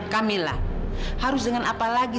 kamilah harus dengan apa lagi